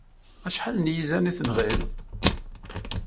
Acḥal n yizan ay tenɣiḍ?